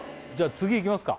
次いきますか？